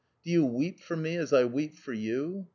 Do you weep for me as I weep for you